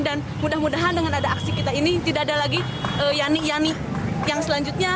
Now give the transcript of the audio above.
dan mudah mudahan dengan ada aksi kita ini tidak ada lagi yani yani yang selanjutnya